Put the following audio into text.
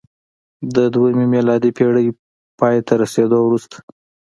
د دویمې میلادي پېړۍ پای ته رسېدو وروسته